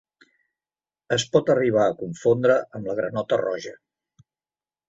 Es pot arribar a confondre amb la granota roja.